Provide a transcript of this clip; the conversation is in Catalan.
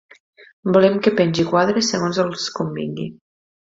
Volen que pengi quadres segons els convingui.